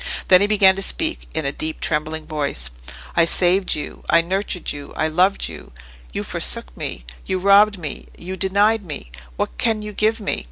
Then he began to speak, in a deep trembling voice— "I saved you—I nurtured you—I loved you. You forsook me—you robbed me—you denied me. What can you give me?